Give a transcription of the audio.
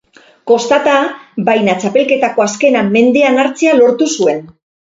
Kostata, baina txapelketako azkena mendean hartzea lortu zuen.